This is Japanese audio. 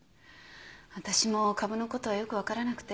私も株のことはよく分からなくて。